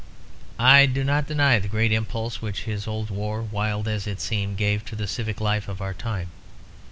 I do not deny the great impulse which his old war, wild as it seemed, gave to the civic life of our time.